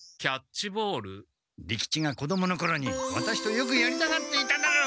利吉が子どものころにワタシとよくやりたがっていただろう？